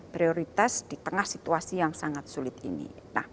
prioritas di tengah situasi yang sangat sulit ini